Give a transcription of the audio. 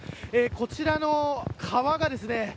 こちらの川がですね